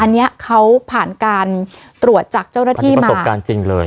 อันนี้เขาผ่านการตรวจจากเจ้าหน้าที่มาสบการณ์จริงเลย